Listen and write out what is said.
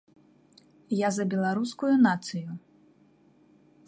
Я за беларускую нацыю.